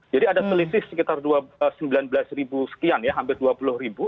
ada selisih sekitar sembilan belas ribu sekian ya hampir dua puluh ribu